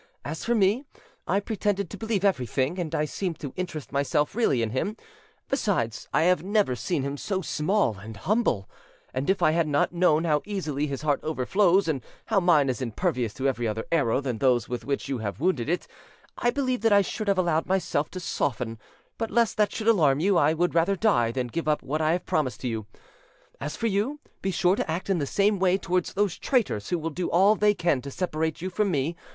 As for me, I pretended to believe everything, and I seemed to interest myself really in him. Besides, I have never seen him so small and humble; and if I had not known how easily his heart overflows, and how mine is impervious to every other arrow than those with which you have wounded it, I believe that I should have allowed myself to soften; but lest that should alarm you, I would die rather than give up what I have promised you. As for you, be sure to act in the same way towards those traitors who will do all they can to separate you from me.